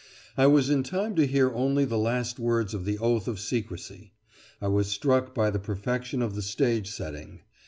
I was in time to hear only the last words of the oath of secrecy. I was struck by the perfection of the stage setting.